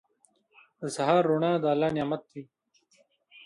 • د سهار روڼا د الله نعمت دی.